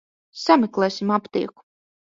Sameklēsim aptieku.